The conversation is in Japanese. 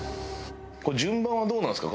これ順番はどうなんですか？